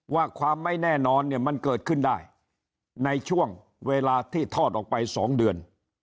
ความไม่แน่นอนเนี่ยมันเกิดขึ้นได้ในช่วงเวลาที่ทอดออกไป๒เดือน